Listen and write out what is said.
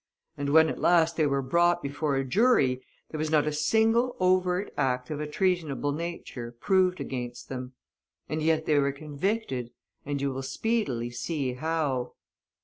And when at last they were brought before a jury, there was not a single overt act of a treasonable nature proved against them. And yet they were convicted, and you will speedily see how.